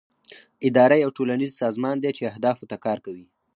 اداره یو ټولنیز سازمان دی چې اهدافو ته کار کوي.